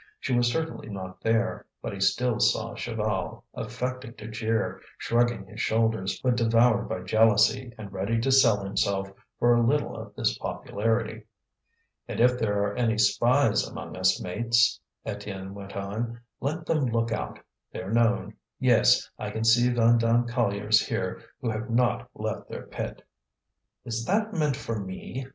She was certainly not there, but he still saw Chaval, affecting to jeer, shrugging his shoulders, but devoured by jealousy and ready to sell himself for a little of this popularity. "And if there are any spies among us, mates," Étienne went on, "let them look out; they're known. Yes, I can see Vandame colliers here who have not left their pit." "Is that meant for me?"